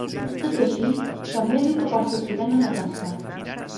Tot i així, també diu que persistiran en la tasca.